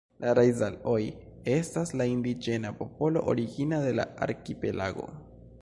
La Raizal-oj estas la indiĝena popolo origina de la arkipelago.